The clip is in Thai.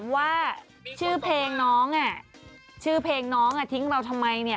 ว่าชื่อเพลงน้องอ่ะชื่อเพลงน้องทิ้งเราทำไมเนี่ย